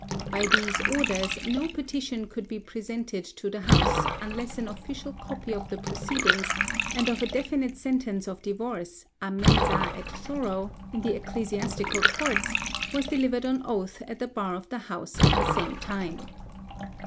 By these orders, no petition could be presented to the House, unless an official copy of the proceedings, and of a definitive sentence of divorce, a mensâ et thoro, in the ecclesiastical courts, was delivered on oath at the bar of the House at the same time (Broom's "Comm.," vol. iii. p. 396).